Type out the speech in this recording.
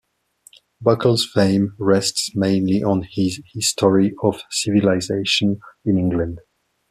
Buckle's fame rests mainly on his "History of Civilization in England".